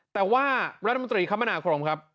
แต่ว่ารัฐมนาคมครับ